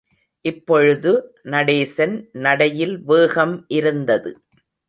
இப்பொழுது, நடேசன் நடையில் வேகம் இருந்தது.